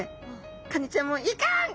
カニちゃんも「いかん！